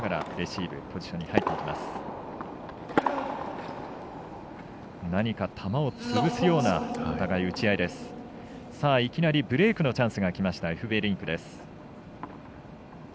いきなりブレークのチャンスがきましたエフベリンクです。